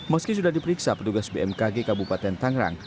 meski sudah diperiksa petugas bmkg kabupaten tangerang